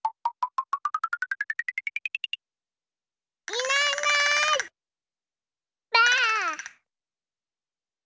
いないいないばあっ！